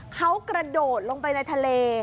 เขากระโดดลงไปในทะเล